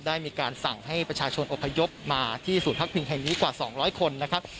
ได้มีการสั่งให้ประชาชนอพยพมาที่ศูนย์พักพิงแห่งนี้กว่า๒๐๐คนนะครับ